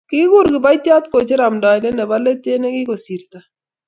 Kikikur kiboityot kocher amndoindet nebo let eng nekikasirto